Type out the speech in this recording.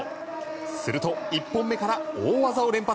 すると、１本目から大技を連発。